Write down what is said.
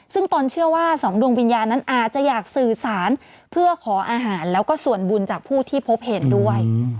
ซึ่งตนเชื่อว่าสองดวงวิญญาณนั้นอาจจะอยากสื่อสารเพื่อขออาหารแล้วก็ส่วนบุญจากผู้ที่พบเห็นด้วย